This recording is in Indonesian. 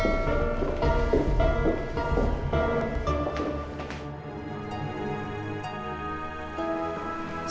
terima kasih pak